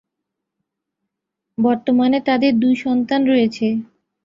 বর্তমানে তাদের দুই সন্তান রয়েছে।